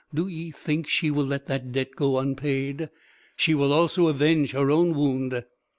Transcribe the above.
Do ye think she will let that debt go unpaid? She will also avenge her own wound."